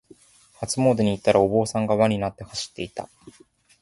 初詣に行ったら、お坊さんが輪になって走っていた。